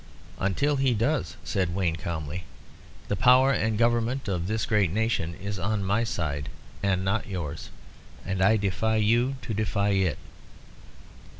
"Until he does," said Wayne, calmly, "the power and government of this great nation is on my side and not yours, and I defy you to defy it."